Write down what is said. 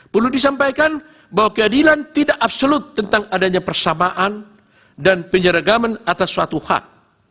perlu disampaikan bahwa keadilan tidak absolut tentang adanya persamaan dan penyeragaman atas suatu hak